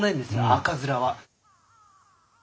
赤面は。